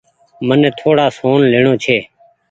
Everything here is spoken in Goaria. مني ٿوڙآ سون ليڻو ڇي۔